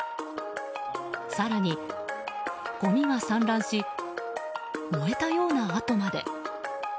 更に、ごみが散乱し燃えたような跡まで。